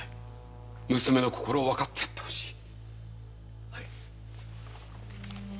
娘の心をわかってやってほしい！